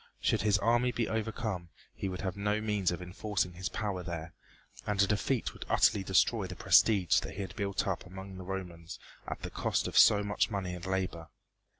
Should his army be overcome he would have no means of enforcing his power there, and a defeat would utterly destroy the prestige that he had built up among the Romans at the cost of so much money and labor.